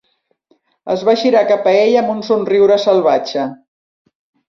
Es va girar cap a ell amb un somriure salvatge.